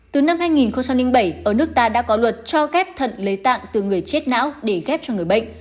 từ năm hai nghìn bảy ở nước ta đã có luật cho ghép thận lấy tạng từ người chết não để ghép cho người bệnh